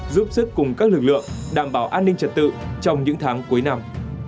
giúp sức cùng các lực lượng đảm bảo an ninh trật tự trong những tháng cuối năm